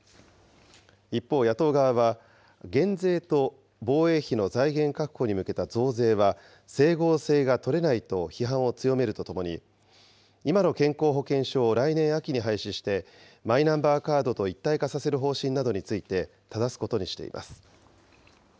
一方野党側は、減税と防衛費の財源確保に向けた増税は整合性が取れないと批判を強めるとともに、今の健康保険証を来年秋に廃止して、マイナンバーカードと一体化させる方針などについて、ただすことにしています。